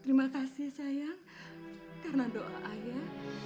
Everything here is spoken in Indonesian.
terima kasih sayang karena doa ayah